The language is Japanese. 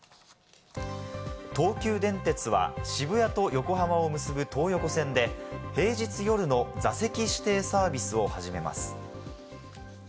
東急電鉄は、渋谷と横浜を結ぶ東横線で平日夜の座席指定サービスを始めます。